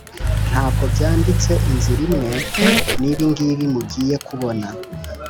ntabwo byanditse inzira imwe n’ibingibi mugiye kubona.